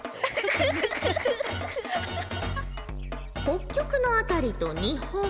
北極の辺りと日本